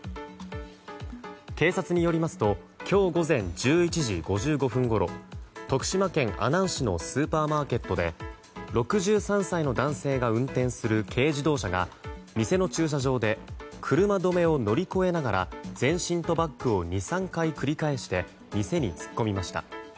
警察によりますと今日午前１１時５５分ごろ徳島県阿南市のスーパーマーケットで６３歳の男性が運転する軽自動車が店の駐車場で車止めを乗り越えながら前進とバックを２３回繰り返して店に突っ込みました。